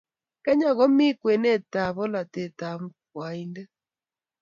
Kenya komi eng kwenet nebo polatet ab ngwaidet